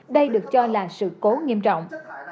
đây được cho là sự cố nghiêm trọng